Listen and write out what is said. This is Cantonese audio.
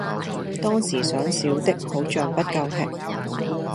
當時想小的好像不夠吃